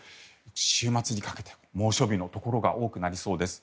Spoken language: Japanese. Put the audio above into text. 週末にかけて猛暑日のところが多くなりそうです。